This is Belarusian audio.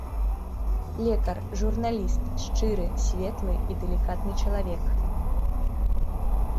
Лекар, журналіст, шчыры, светлы і далікатны чалавек.